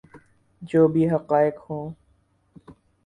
جو بھی حقائق ہوں۔